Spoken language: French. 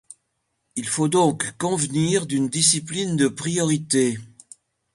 Il faut donc convenir d'une discipline de priorité.